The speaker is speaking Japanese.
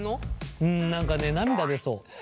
うん何かね涙出そう。